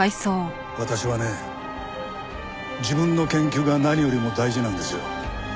私はね自分の研究が何よりも大事なんですよ。